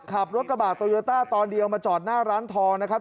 ขับรถกระบาดโตโยต้าตอนเดียวมาจอดหน้าร้านทองนะครับ